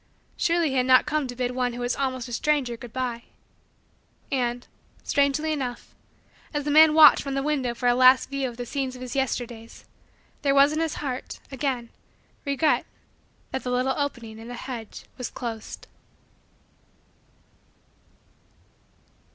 Surely he had not come to bid one who was almost a stranger good bye. And, strangely enough, as the man watched from the window for a last view of the scenes of his Yesterdays, there was in his heart, again, regret that the little opening in the hedge was closed.